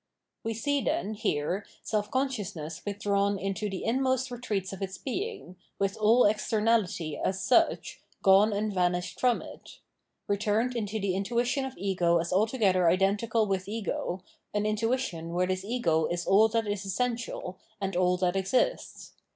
We see then, here, self consciousness withdrawn into the inmost retreats of its being, with all externality, as such, gone and vanished from it — returned into the intuition of ego as altogether identical with ego, an intuition where this ego is all that is essential, and all that exists.